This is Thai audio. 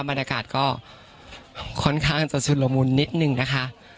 บรรยากาศก็ค่อนข้างจะชุดละมุนนิดนึงนะคะ